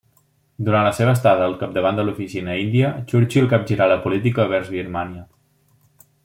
Durant la seva estada al capdavant de l'Oficina Índia, Churchill capgirà la política vers Birmània.